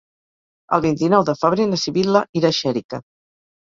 El vint-i-nou de febrer na Sibil·la irà a Xèrica.